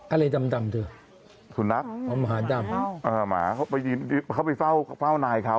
อะไรดำสุนนักหมาเดินเย็นเข้าเอามหาดำเข้าไปเฝ้านายเขา